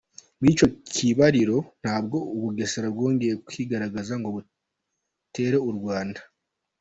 Muri icyo kibariro ntabwo u Bugesera bwongeye kwigerezaho ngo butere u Rwanda.